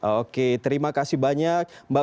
oke terima kasih banyak mbak